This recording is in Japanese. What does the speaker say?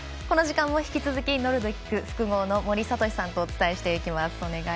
この時間も引き続きノルディック複合の森敏さんとお伝えしていきます。